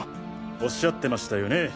おっしゃってましたよね